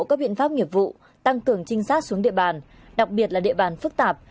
các biện pháp nghiệp vụ tăng cường trinh sát xuống địa bàn đặc biệt là địa bàn phức tạp